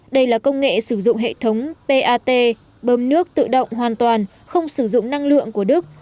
đây là công nghệ sử dụng hệ thống pat bơm nước tự động hoàn toàn không sử dụng năng lượng của đức